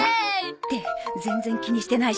って全然気にしてないし